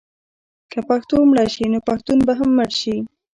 که پښتو مړه شي نو پښتون به هم مړ شي.